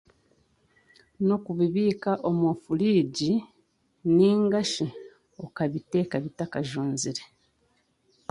N'okubibiika omu furiigi naingashi okabiteeka bitakajunzire